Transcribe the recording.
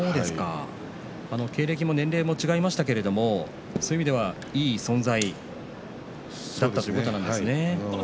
経歴も年齢も違いましたけれどもそういう意味ではいい存在だったということなんですね。